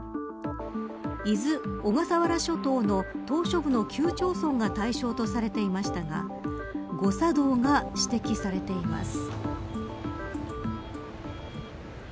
伊豆、小笠原諸島の島しょ部の９町村が対象とされていましたが誤作動が指摘されています。